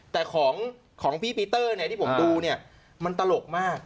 แต่ของพี่ปีเตอร์เนี่ยที่ผมดูเนี่ยมันตลกมาก